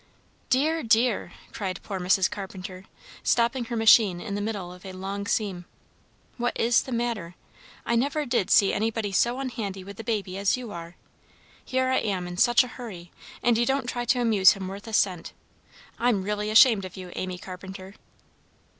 "Dear! dear!" cried poor Mrs. Carpenter, stopping her machine in the middle of a long seam. "What is the matter? I never did see anybody so unhandy with a baby as you are. Here I am in such a hurry, and you don't try to amuse him worth a cent. I'm really ashamed of you, Amy Carpenter."